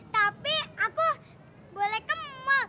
tapi aku boleh ke mall